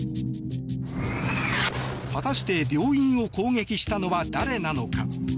果たして病院を攻撃したのは誰なのか。